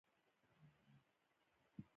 دښته د ورکو خلکو پناه ده.